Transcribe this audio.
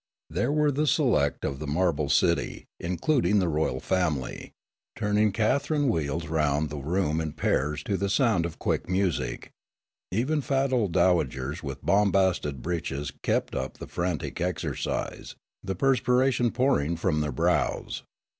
There were the select of the marble city, including the royal family, turning Catherine wheels round the room in pairs to the sound of quick music ; ev^en fat old dowagers with bombasted breeches on kept up the frantic exercise, the perspiration pouring from their brows.